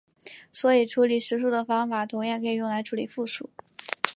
所以处理实数的方法同样可以用来处理复数。